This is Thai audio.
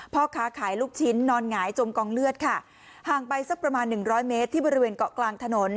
พ่อค้าขายลูกชิ้นนอนหงายจมกองเลือดค่ะห่างไปสักประมาณหนึ่งร้อยเมตรที่บริเวณเกาะกลางถนน